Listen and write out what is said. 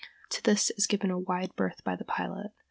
To this is given a wide berth by the pilot.